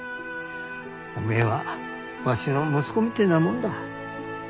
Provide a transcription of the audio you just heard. おめえはわしの息子みてえなもんだ。